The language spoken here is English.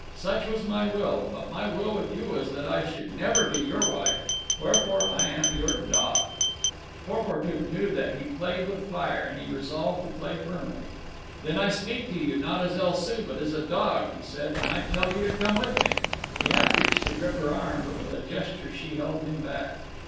Such was my will. But my will with you was that I should never be your wife. Wherefore, I am your dog." Porportuk knew that he played with fire, and he resolved to play firmly. "Then I speak to you, not as El Soo, but as a dog," he said; "and I tell you to come with me." He half reached to grip her arm, but with a gesture she held him back.